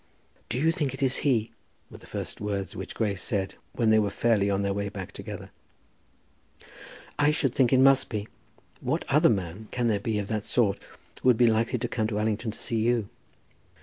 "Do you think it is he?" were the first words which Grace said when they were fairly on their way back together. "I should think it must be. What other man can there be, of that sort, who would be likely to come to Allington to see you?"